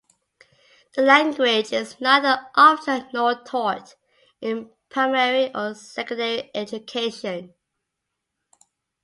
The language is neither official nor taught in primary or secondary education.